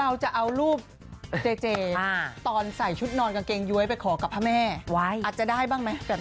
อาจเซลว่าเออน้องตัะเนิกเคยเห็นขบ